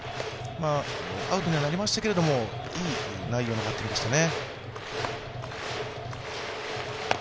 アウトにはなりましたけれども、いい内容のバッティングでしたね。